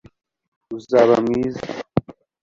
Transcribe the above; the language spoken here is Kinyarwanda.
uzaba mwiza